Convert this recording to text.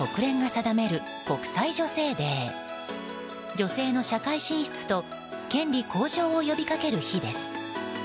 女性の社会進出と権利向上を呼びかける日です。